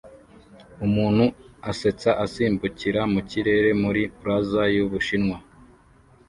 Umuntu asetsa asimbukira mu kirere muri Plaza y'Ubushinwa